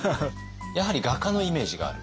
やはり画家のイメージがある？